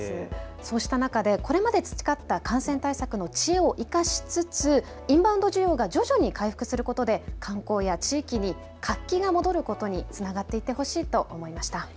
そうした中でこれまで培った感染対策の知恵を生かしつつインバウンド需要が徐々に回復することで観光や地域に活気が戻ることにつながっていってほしいと思います。